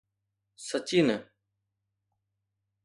سچي نه